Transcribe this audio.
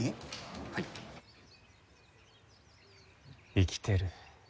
生きてる。